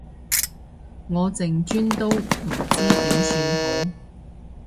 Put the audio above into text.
我淨專都唔知點算好